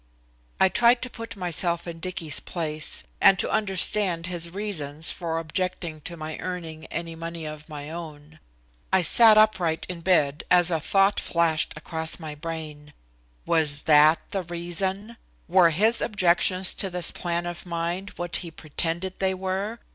I tried to put myself in Dicky's place, and to understand his reasons for objecting to my earning any money of my own. I sat upright in bed as a thought flashed across my brain. Was that the reason? Were his objections to this plan of mine what he pretended they were?